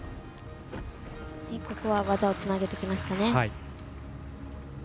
技をつなげてきましたね。